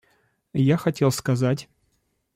Я хотел сказать.